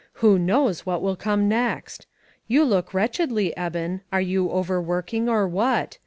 Who knows what will come next? You look wretchedly, Eben, are you overworking, or what